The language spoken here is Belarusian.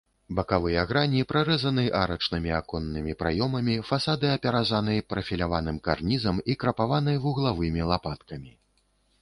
Бакавыя грані прарэзаны арачнымі аконнымі праёмамі, фасады апяразаны прафіляваным карнізам і крапаваны вуглавымі лапаткамі.